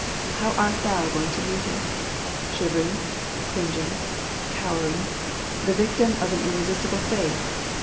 How art thou going to meet it ? Shiver ing, cringing, cowering, the victim of an irresistible fate?